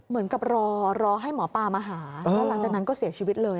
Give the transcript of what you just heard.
เหมือนกับรอรอให้หมอปลามาหาแล้วหลังจากนั้นก็เสียชีวิตเลย